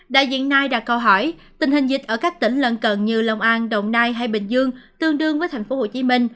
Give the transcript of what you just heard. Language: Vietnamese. đại diện nai đặt câu hỏi tình hình dịch ở các tỉnh lần cần như lòng an đồng nai hay bình dương tương đương với tp hcm